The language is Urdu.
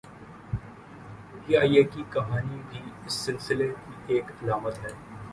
پی آئی اے کی کہانی بھی اس سلسلے کی ایک علامت ہے۔